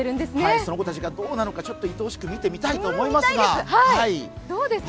その子たちがどうなのか、愛おしく見てみたいと思います。